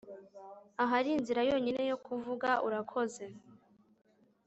ahari inzira yonyine yo kuvuga urakoze